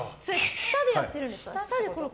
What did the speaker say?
舌でやってるんですか？